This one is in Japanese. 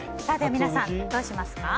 皆さん、どうしますか？